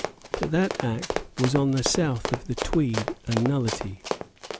But that Act was on the south of the Tweed a nullity.